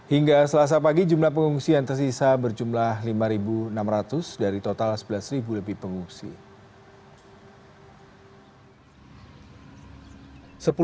hingga selasa pagi jumlah pengungsi yang tersisa berjumlah lima enam ratus dari total sebelas lebih pengungsi